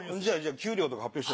給料とか発表して。